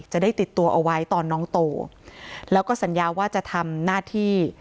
จะได้ติดตัวเอาไว้ตอนน้องโตแล้วก็สัญญาว่าจะทำหน้าที่